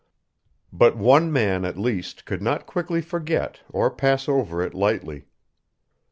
But one man at least could not quickly forget or pass it over lightly.